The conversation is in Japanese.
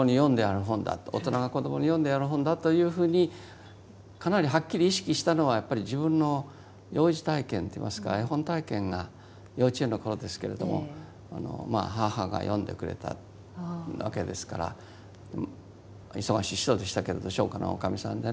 大人が子どもに読んでやる本だというふうにかなりはっきり意識したのはやっぱり自分の幼児体験っていいますか絵本体験が幼稚園の頃ですけれども母が読んでくれたわけですから忙しい人でしたけれど商家のおかみさんでね